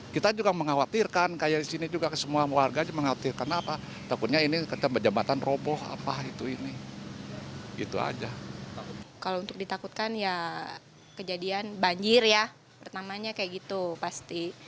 kalau untuk ditakutkan ya kejadian banjir ya pertamanya kayak gitu pasti